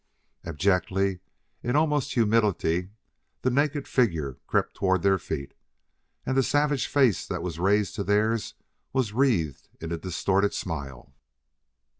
Abjectly, in utmost humility, the naked figure crept toward their feet, and the savage face that was raised to theirs was wreathed in a distorted smile.